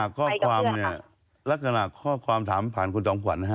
ลักษณะข้อความเนี่ยไปกับเพื่อนค่ะลักษณะข้อความถามผ่านคุณจอมขวัญนะฮะ